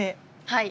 はい。